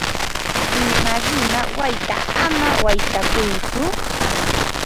Rimarima wayta ama waytakuytsu.